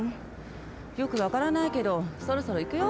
よくわからないけどそろそろいくよ。